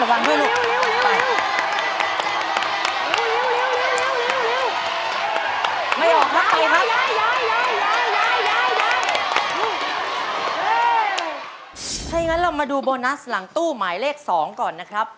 ถ้างั้นเรามาดูโบนัสหลังตู้หมายเลข๒ก่อนนะครับ